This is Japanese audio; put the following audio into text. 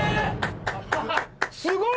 すごい！